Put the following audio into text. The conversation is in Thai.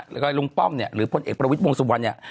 แล้วก็ลุงป้อมเนี่ยหรือพลเอกประวิทย์วงสุวรรณเนี่ย